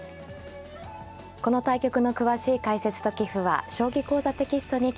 この対局の詳しい解説と棋譜は「将棋講座」テキストに掲載します。